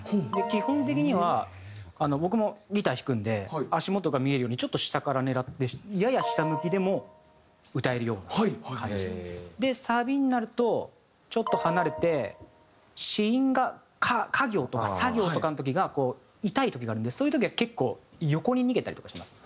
基本的には僕もギター弾くんで足元が見えるようにちょっと下から狙ってやや下向きでも歌えるような感じに。でサビになるとちょっと離れて子音がカ行とかサ行とかの時が痛い時があるのでそういう時は結構横に逃げたりとかしてます。